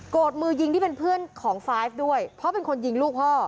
มือยิงที่เป็นเพื่อนของไฟล์ฟด้วยเพราะเป็นคนยิงลูกพ่อ